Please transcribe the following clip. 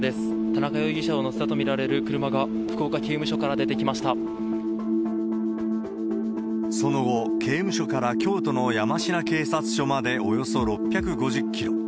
田中容疑者を乗せたと見られる車が、その後、刑務所から京都の山科警察署までおよそ６５０キロ。